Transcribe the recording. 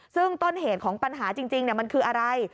ซึ่งต้นเหตุของปัญหาจริงมันคืออะไร